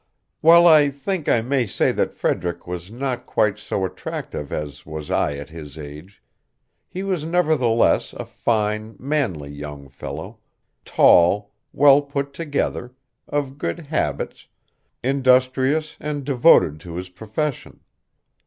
While I think I may say that Frederick was not quite so attractive as was I at his age, he was nevertheless a fine, manly young fellow, tall, well put together, of good habits, industrious and devoted to his profession.